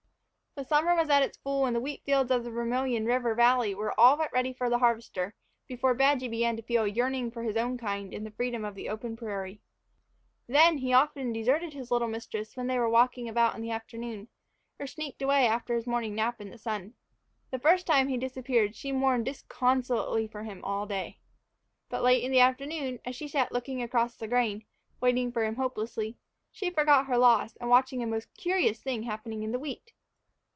The summer was at its full and the wheat fields of the Vermillion River Valley were all but ready for the harvester before Badgy began to feel a yearning for his own kind and the freedom of the open prairie. Then he often deserted his little mistress when they were walking about in the afternoon, or sneaked away after his morning nap in the sun. The first time he disappeared she mourned disconsolately for him all day. But late in the afternoon, as she sat looking across the grain, waiting for him hopelessly, she forgot her loss in watching a most curious thing happening in the wheat.